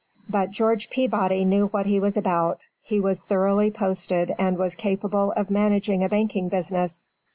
But George Peabody knew what he was about; he was thoroughly posted and was capable of managing a banking business.